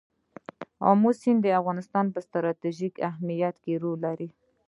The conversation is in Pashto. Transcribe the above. آمو سیند د افغانستان په ستراتیژیک اهمیت کې رول لري.